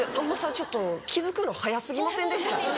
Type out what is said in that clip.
ちょっと気付くの早過ぎませんでした？